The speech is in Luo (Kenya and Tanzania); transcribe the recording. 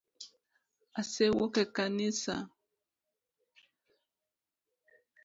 Ase wuok e kanisa